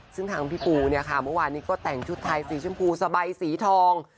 ซึ่งทางพี่ปูเนี่ยค่ะเมื่อวานนี้ก็แต่งชุดไทยสีชมพูสบายสีทอง